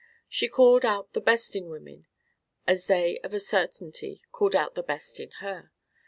She called out the best in women as they of a certainty called out the best in her.